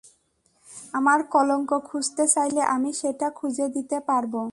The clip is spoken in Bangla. আমার কলঙ্ক খুঁজতে চাইলে আমি সেটা খুঁজে দিতে পারবো।